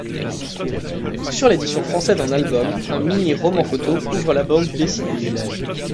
Sur l'édition française en album, un mini roman-photo ouvre la bande dessinée.